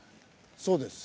そうです。